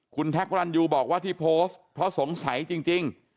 คุณแท็กพระรันยูบอกว่าที่โพสต์เพราะสงสัยจริง